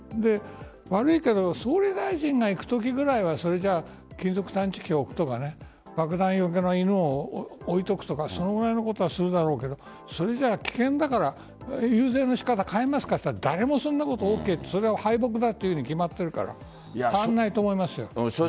悪いけど総理大臣が行くときくらいは金属探知機を置くとか爆弾よけの犬を置いとくとかそれくらいのことはするだろうけどそれじゃあ危険だから遊説の仕方を変えますかと言ったら、誰もそんなこと敗北だと言うに決まってるから変わらないと思います。